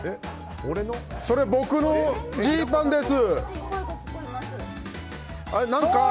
それ、僕のジーパンです。